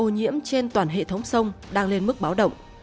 nên toàn hệ thống sông đang lên mức báo động